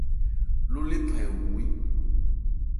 Ló lephan ɛ wu é ?